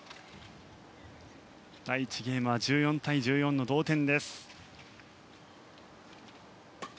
第１ゲームは１４対１４の同点。